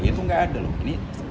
itu tidak ada